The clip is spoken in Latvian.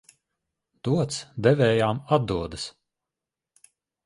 Dots devējām atdodas.